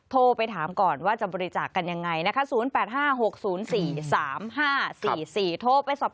โทรไปถามก่อนว่าจะบริจาคกันยังไงนะคะ๐๘๕๖๐๔๓๕๔๔โทรไปสอบถาม